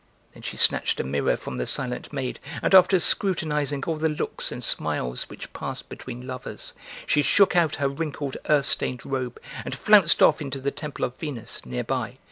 Then she snatched a mirror from the silent maid and after scrutinizing all the looks and smiles which pass between lovers, she shook out her wrinkled earth stained robe and flounced off into the temple of Venus (nearby.)